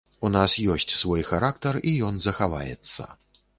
У нас ёсць свой характар, і ён захаваецца.